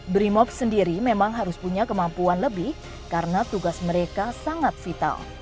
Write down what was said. brimob sendiri memang harus punya kemampuan lebih karena tugas mereka sangat vital